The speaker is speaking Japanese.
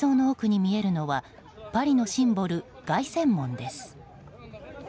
映像の奥に見えるのはパリのシンボル、凱旋門です。